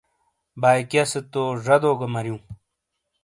بائیکیا سے تو ڙدو کا مریوں۔